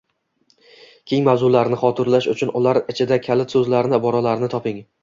Keng mavzularni xotirlash uchun ular ichidan kalit so‘zlarni, iboralarni toping.